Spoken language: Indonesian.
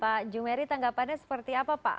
pak jumeri tanggapannya seperti apa pak